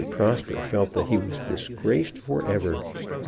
Prosper felt that he was disgraced forever.